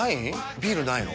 ビールないの？